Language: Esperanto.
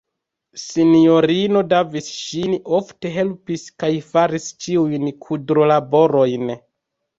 Sinjorino Davis ŝin ofte helpis kaj faris ĉiujn kudrolaborojn.